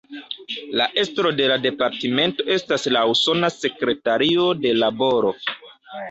La estro de la Departmento estas la Usona Sekretario de Laboro.